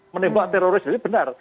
menembak teroris jadi benar